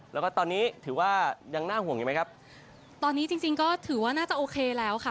แล้วก็ตอนนี้ถือว่ายังน่าห่วงอยู่ไหมครับตอนนี้จริงจริงก็ถือว่าน่าจะโอเคแล้วค่ะ